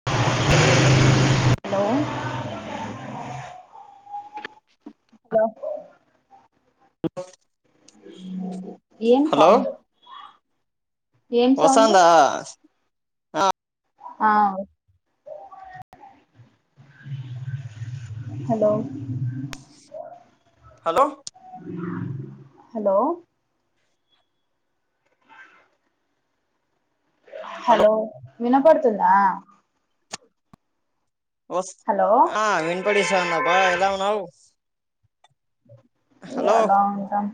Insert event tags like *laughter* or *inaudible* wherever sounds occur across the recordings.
Hello hello hello ఏం sound ఏం sound వస్తాందా ఆ హలో హలో హలో హలో వినపడుతుందా వస్ హలో ఆ వినపడి సార్ అందాపా ఎలా ఉన్నావు హలో ఎలా ఉంటాం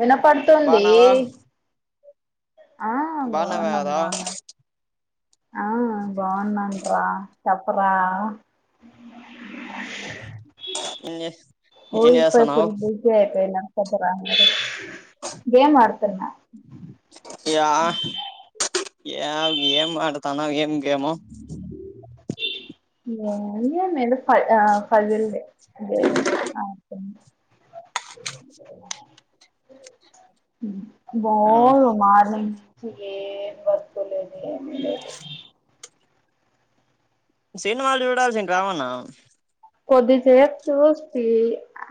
వినపడుతుంది బాగున్నావా ఆ బానవే బాగున్నాం అదా బాగున్నాం ఆ బాగున్నాను రా చెప్పరా ఏం చే ఏం ఓయిప్ప చేస్తాన్నావు *unintelligible* *unintelligible* గేం ఆడతనా ఇగ ఇగ గేమ్ ఆడుతూ తన ఏం గేము ఇగ అన్ని వున్నాయ్ ఇగ *unintelligible* ఫజల్ ది అదే ఆ *unintelligible* బో మార్నింగ్ నుంచి ఏ వర్క్ లేదు ఏమీ లేదు సినిమాలు చూడాల్సి రావన్న కొది చే చూస్తీ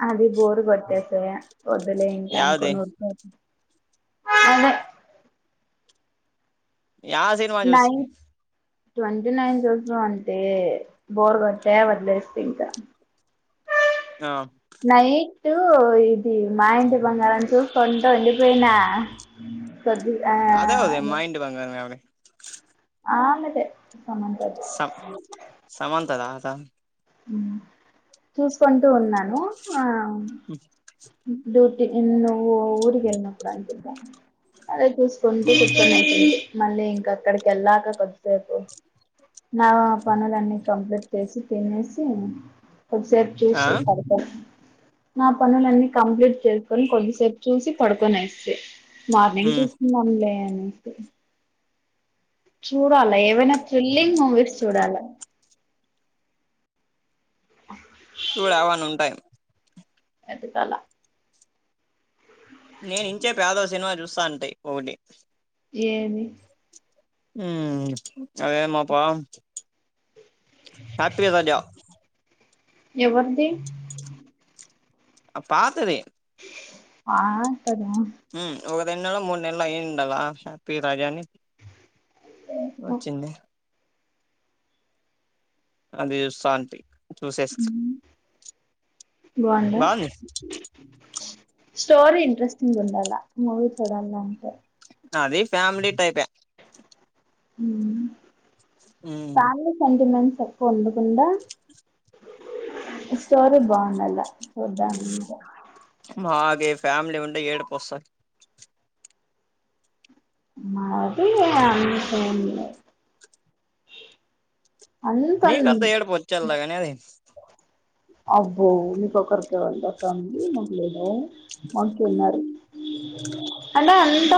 అది బోర్ గోట్టేసె వద్దులే ఇంకా యావది అనుకోని అస్తారు అవునే యా సెపు నైన్ ట్వంటీ నైన్ జుసినవంటే బోర్ కట్టా వదిలేస్త ఇంకా ఆ ఆ నైట్టు ఇది మా ఇంటి బంగారంం చూసుకుంట ఉండిపోయినా ఊ కొద్ది ఆ అదే అది మా ఇంటి బంగారమె అది ఆమెతే సమాంతది సమంతదట ఊ చూసుకుంటూ ఉన్నాను ఆ ఉ డ్యూటీ ఊ నువ్వు ఊరికి పోయినప్పుడు అనుకుంట అదే చూసుకుంటూ కూర్చొనేంది మళ్ళీ ఇంకా అక్కడికి వెళ్ళాక కొద్దిసేపు నా పనులన్నీ కంప్లీట్ చేసి తినేసి కొదిసేపు ఆ చూసి పడుకొని నా పనులన్నీ కంప్లీట్ చేసుకొని కొద్దిసేపు చూసి పడుకొని ఏస్థి మార్నింగ్ ఉమ్ చూసుకుందాంలే అని తె చూడాలా ఏవైనా థ్రిల్లింగ్ మూవీస్ చూడాలా చూడవని ఉంటాయి ఎతుకలా నేను ఇంచే పి ఎదో సినిమా చూస్తా ఉంటాయి ఒటి ఏది ఊ అదేమాప్ప హ్యాపీవజ ఎవరిది అ పాతది పాతద ఉ ఒక రెండనల మూడు నెలల అయిండాల హ్యాపీ రాజాని వచ్చింది అది సాంతి చూసేసి బాగుందా బాగుంది స్టోరీ ఇంట్రెస్టింగ్ ఉండాల మూవీ చూడాల అంతె అది ఫ్యామిలీ *unintelligible* ఉమ్ ఫ్యామిలీ సెంటిమెంట్స్ ఎక్కువ ఉండకుండ స్టోరి బాగుండల *unintelligible* *unintelligible* ఫ్యామిలీ ఉండే ఏడుపు *unintelligible* అది అంటూ *unintelligible* మీకు అంత *unintelligible* పోచల్లాగానే అది *unintelligible* అంటే అంత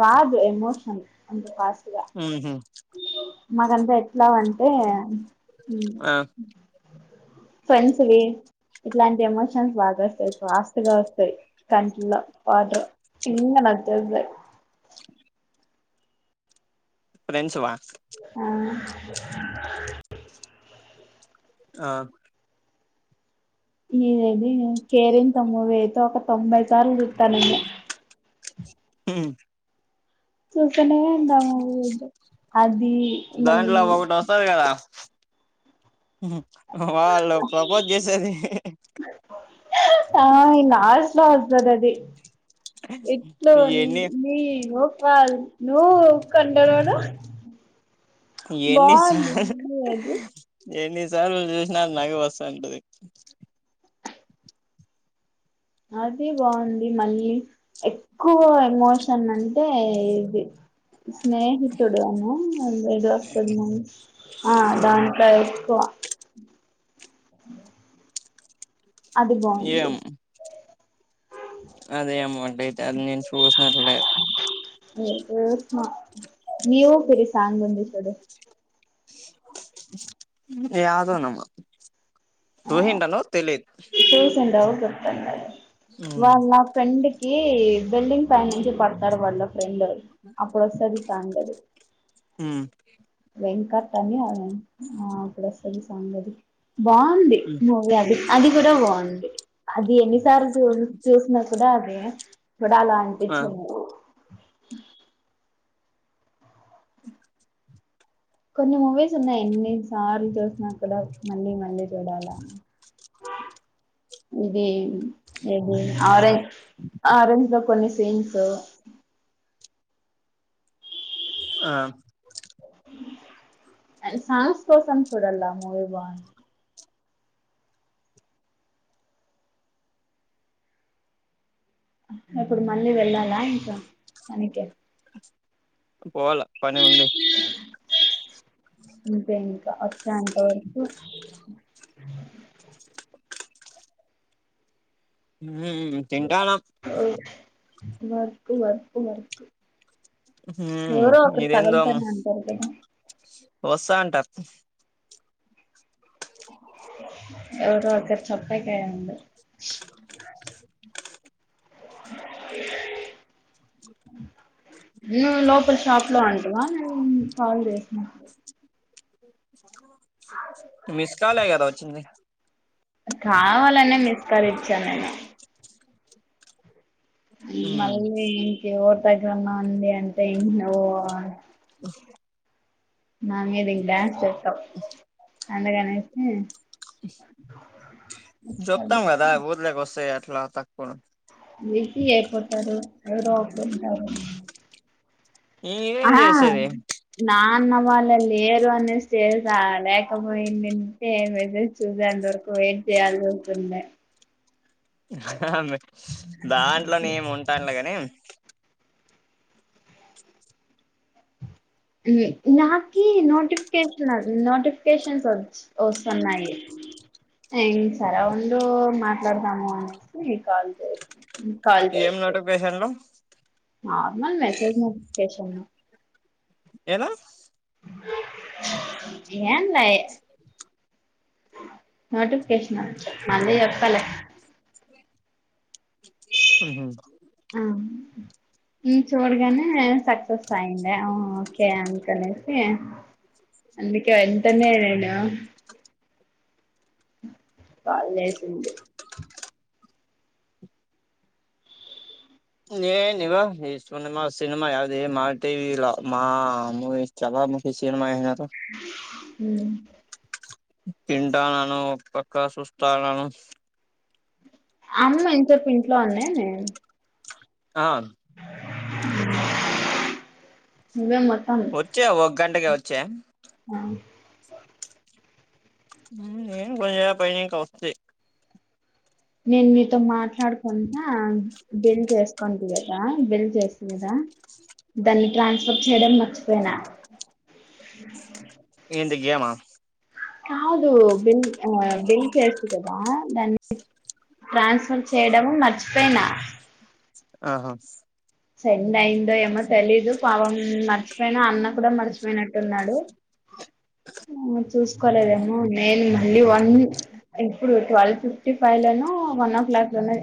రాదు ఎమోషన్ అంత *unintelligible* ఉహు మాకంత ఎట్లావంటే ఆ ఫ్రెన్స్వి ఇట్లాంటి ఎమోషన్స్ బాగ వస్తాయి వ *unintelligible* ఫ్రెండ్స్వ ఆ ఆ *unintelligible* కేరింత మూవీ అయితే ఒక తొంభై సార్లు చుతానండి హు చూస్తనే ఉంటాము అది మళ్ళీ దాంట్లో *unintelligible* వాళ్ళు ప్రపోజ్ చేసేది ఆ లాస్ట్ లో వస్తది అది ఎన్ని *unintelligible* ఎన్ని సార్లు *unintelligible* ఎన్ని సార్లు చూసిన నగువు *unintelligible* అది బాగుంది మళ్ళీ ఎక్కువ ఎమోషన్ అంటే ఇది స్నేహితుడు *unintelligible* ఆ దాంట్లో ఎక్కువ అది బాగుంది అదే *unintelligible* అది నేను చూస్న *unintelligible* *unintelligible* నీ ఊపిరి సాంగ్ ఉంది చూడు యాదోనమ్మ ఆ చూసింటాను తెలి *unintelligible* వాళ్ళ ఫ్రెండ్కి బిల్డింగ్ పై నుంచి పడతారు వాళ్ళ ఫ్రెండ్ అప్పుడు వస్తది సాంగు అది ఉమ్ వెంకట్ అని అ *unintelligible* ఆ అప్పుడు వస్తది సాంగ్ అది బాగుంది మూవీ అది అది కూడ బాగుంది అది ఎన్నిసార్లు చూ చూసిన కూడ అదే కూడ *unintelligible* అలా ఆ అనిపించం కొన్ని మూవీస్ ఉన్నాయి ఎన్ని సార్లు చూసిన కూడ మళ్ళీ మళ్ళీ చుడాల ఇది ఆరో ఆరెంజ్ లో కొన్ని సీన్స్ ఆ అండ్ సాంగ్స్ కోసం చూడలా ఆ మూవీ బ ఇప్పుడు మళ్ళీ వెళ్ళాల ఇంక *unintelligible* పోవాల పని ఉంది. అంతే ఇంకా వచ్చే అంత వరకు ఇవేవి తింటానామ్ వర్క్ వర్క్ వర్క్ ఎవరో ఉహుహ్ ఒకరు ఇదేందో అమ్మ తగులుతూనే ఉంటారు కదా వస్తా అంటాం. ఎవరో ఒకర్ చేప్పకాయండే మా యేయ్ ముగ్గుర్ నువ్ లోపల్ షాప్ లో అంటువా నేను కాల్ జేసినా మస్ కాల్ గదా వచ్చింది. కావాలనే మిస్కల్ ఇచ్చా నేను ఈ మళ్ళీ ఇంక ఎవర్ పైసలు ఉన్నా ఉంది అంటే ఇనః ఓ ఓహ్ నా మీదా డన్స్ చేస్తావ్ అందగానేసి *unintelligible* కాల్ జేప్తాం గదా ఊర్లకొస్తే అట్లా తక్కువ విసి అయిపోతాడు ఎవరో ఒక్కడు ఉంటారు. ఏం ఆహ్ చేసేది నా అన్న వాళ్ళే లేరు అనేస్తేసా లేకపోయిందంటే వేదు చూదాం దొర్కావ్ ఏం చేయాలి ఉంటుందే దాంట్లోనే ఏమి ఉంటానే గానీ నాకే నోటిఫికేషన్ అది నోటిఫికేషన్స్ వద్ ఓస్తున్నాయి ఏం సరా ఉండో మాట్లాడతాము అనేసి కాల్ జేయ్ ఉహ్మ్ కాల్ ఏం జెస్తద్ నోటిఫికేషన్లు నార్మల్ మెసేజ్ నోటిఫికేషన్ ఏనా ఎన్లయే నోటిఫికేషన్ మళ్ళీ ఏప్తాలే ఉహుహ్ అవున్ ఈ చూడగానే సక్సెస్ అయిందే ఆ ఓకే అని కనేసి అందుకే వెంటనే రేడా కాల్ జేసింది. నే నీవావ్ వెస్టుగుంది మా సినిమా అది మాటీవీలా మా మూవీస్ చావా ముకి సినిమా ఏం జేతావ్. ఉహ్ తింటానను ఒక పక్క చూస్తా నను అమ్మ ఇంతేప్ ఇంట్లో ఉందా ఏమి ఆ నీవే మొత్తం వచ్చా ఓ గంటగే వచ్చా ఆహ్ ఉహ్ నీగ్ భయా బయకం వస్తే నేను మీతో మాట్లాడుకుంన్నా బిల్ చేసుకోంటి గదా బిల్ జేసి గదా దాన్ని ట్రాన్స్ఫర్ చేయడం మర్చిపోయినా ఏంది గేమా కాదు బిల్ ఆ బిల్ చేస్తదిగా దాని ట్రాన్స్ఫర్ చేయడం మర్చిపోయినా ఆహా సెండ్ అయిందో ఏమో తెలీదు పాపం మర్చిపోయిన అన్న కూడా మర్చిపోయినట్టున్నాడు చూసుకోలేదేమో నేను మళ్ళీ వన్ ఇప్పుడు ట్వెల్త్ ఫిఫ్టీ ఫైవ్లోనూ వన్ ఓ క్లాక్లోనే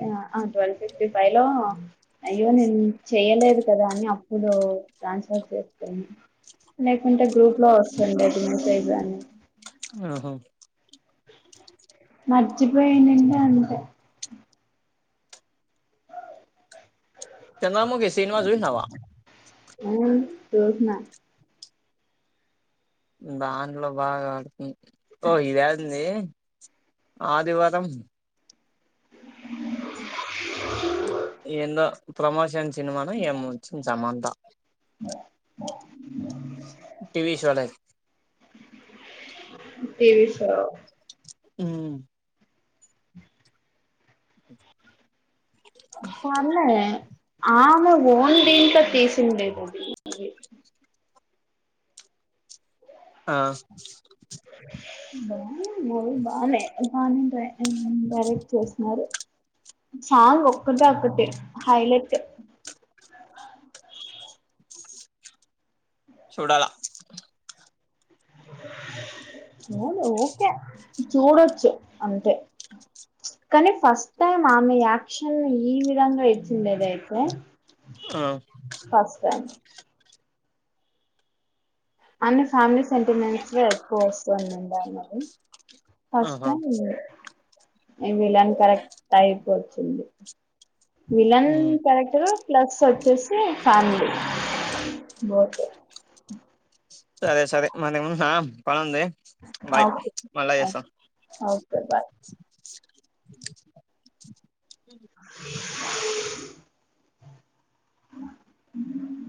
ట్వెల్వ్ ఫిఫ్టీ ఫైవ్లో అయ్యో నేను చెయలేదు కదా అని అప్పుడు ట్రాన్స్ఫర్ చేసుకొని లేకుంటే గ్రూప్లో వస్తుండేది మెసెజ్ అని ఆ ఓహో మర్చిపోయానండి అంతే చంద్రముఖి సినిమా చూసినావా ఆ చూసిన్నా దాంట్లో బాగా ఆడుతుంది ఓ ఇదేంది ఆదివారం ఏందో ప్రమోషన్ సినిమాన ఏమో వచ్చంది సమంత ఓ ఓ టీవీ షోల టీవీ షో ఉ ఓకే పర్లే ఆమె ఓన్ దీంతో తీసిందేమో ఆ ఆ బా మూవీ బాగానే బాగానే డైరెక్ట్ చేస్తున్నారు సాంగ్ ఒక్కటే ఒక్కటి హైలైట్ చూడాలా చూడు ఓకే చూడొచ్చు అంతే కానీ ఫస్ట్ టైం ఆమె యాక్షన్ ఈ విధంగా ఇచ్చిందైతే ఆ ఫస్ట్ టైం అన్ని ఫ్యామిలీ సెంటిమెంట్స్ ఎక్కువ వస్తుందండి అన్నది ఫస్ట్ ఆహా టై విలాన్ కరెక్ట్ అయిపో వచ్చింది విలన్ మ్ క్యారెక్టర్ ప్లస్ వచ్చే ఫ్యామిలీ బోతే సరే సరే మరి ఉన్నా పని ఉంది ఓకేే ఓకే బాయ్ *inaudible*